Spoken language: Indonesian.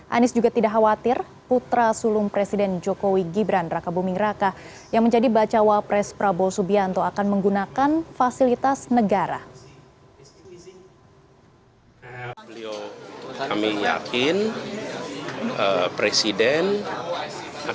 anies juga tidak khawatir putra sulung presiden jokowi gibran raka buming raka yang menjadi bacawa pres prabowo subianto akan menggunakan fasilitas negara